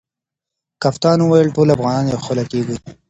کپتان وویل ټول افغانان یوه خوله کیږي.